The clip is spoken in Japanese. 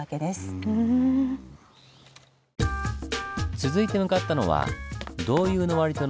続いて向かったのは道遊の割戸の西側。